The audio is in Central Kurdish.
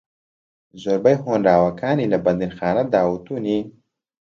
زۆربەی ھۆنراوەکانی لە بەندیخانەدا وتونی